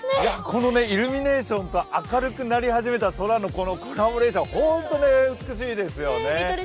このイルミネーションと明るくなり始めた空のコラボレーション、本当に美しいですよね。